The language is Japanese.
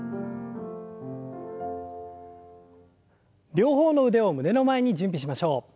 両方の腕を胸の前に準備しましょう。